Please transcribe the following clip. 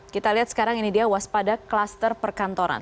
kita lihat sekarang ini dia waspada kluster perkantoran